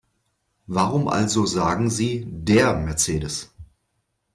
Warum also sagen Sie DER Mercedes?